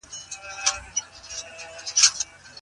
مرګ زموږ پاتې کېدل ګوري.